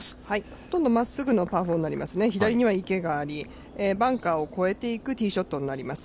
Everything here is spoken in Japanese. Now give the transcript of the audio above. ほとんどまっすぐなパー４になりますね、左には池がありバンカーを越えていくティーショットになります。